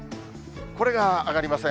これが上がりません。